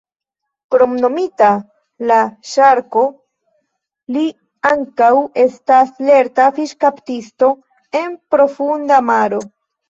Kromnomita "La Ŝarko", li ankaŭ estas lerta fiŝkaptisto en profunda maro.